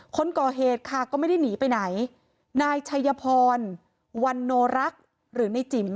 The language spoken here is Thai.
คนก่อเหตุค่ะก็ไม่ได้หนีไปไหนนายชัยพรวันโนรักษ์หรือในจิ๋ม